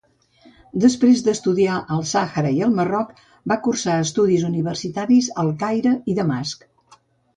Després d'estudiar al Sàhara i el Marroc va cursar estudis universitaris al Caire i Damasc.